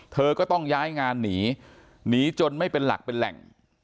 เธอก็ต้องย้ายงานหนีหนีจนไม่เป็นหลักเป็นแหล่ง